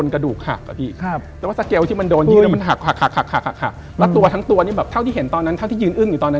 กระพริบตาอีกทีนึงปึ๊ก